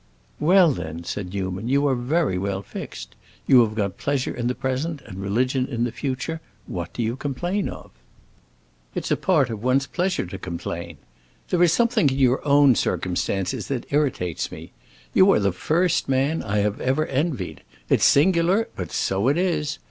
"Well, then," said Newman, "you are very well fixed. You have got pleasure in the present and religion in the future; what do you complain of?" "It's a part of one's pleasure to complain. There is something in your own circumstances that irritates me. You are the first man I have ever envied. It's singular, but so it is.